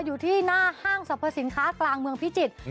อยู่ที่หน้าห้างสรรพสินค้ากลางเมืองพิจิตร